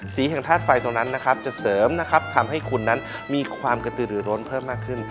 สีแห่งธาตุไฟตรงนั้นจะเสริมทำให้คุณนั้นมีความกระตืดหรือโรนเพิ่มมากขึ้น